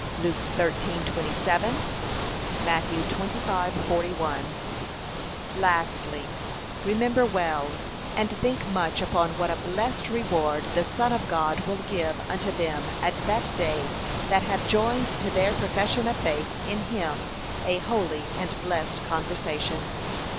(Luke 13:27; Matt. 25:41) Lastly, Remember well, and think much upon what a blessed reward the Son of God will give unto them at that day that have joined to their profession of faith in him a holy and blessed conversation.